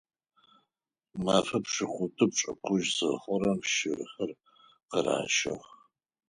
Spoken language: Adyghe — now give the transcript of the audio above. Мэфэ пшӏыкӏутӏу-пшӏыкӏутщ зыхъурэм щырхэр къыращых.